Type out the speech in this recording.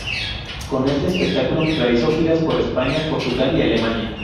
Con este espectáculo, realizó giras por España, Portugal y Alemania.